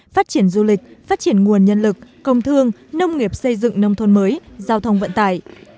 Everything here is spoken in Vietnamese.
phát triển du lịch phát triển nguồn nhân lực công thương nông nghiệp xây dựng nông thôn mới giao thông vận tải